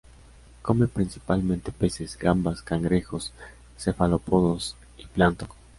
Come principalmente peces, gambas, cangrejos, cefalópodos y plancton.